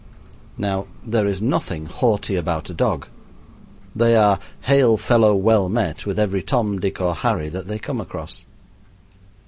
Now, there is nothing haughty about a dog. They are "Hail, fellow, well met" with every Tom, Dick, or Harry that they come across.